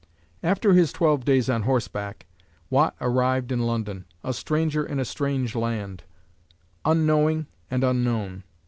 After his twelve days on horseback, Watt arrived in London, a stranger in a strange land, unknowing and unknown.